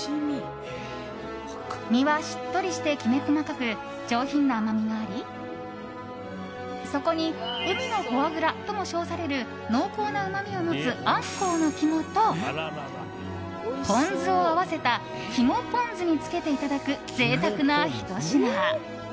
身はしっとりしてきめ細かく上品な甘みがありそこに海のフォアグラとも称される濃厚なうまみを持つアンコウの肝とポン酢を合わせた肝ポン酢につけていただく贅沢なひと品。